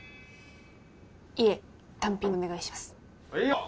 いえ単品でお願いします。